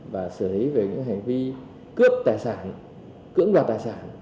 và xử lý về những hành vi cướp tài sản cưỡng đoạt tài sản